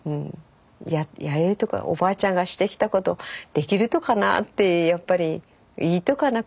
やれるとかなおばあちゃんがしてきたことできるとかな？ってやっぱりいいとかな？